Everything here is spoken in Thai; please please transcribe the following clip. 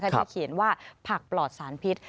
ที่เขียนว่าผักปลอดสารพิษ